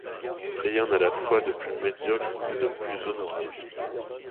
Rien à la fois de plus médiocre ni de plus honorable.